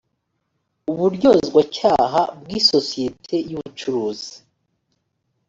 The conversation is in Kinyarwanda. uburyozwacyaha bw isosiyete y ubucuruzi